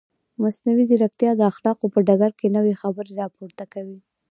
مصنوعي ځیرکتیا د اخلاقو په ډګر کې نوې خبرې راپورته کوي.